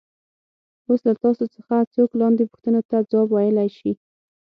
اوس له تاسو څخه څوک لاندې پوښتنو ته ځواب ویلای شي.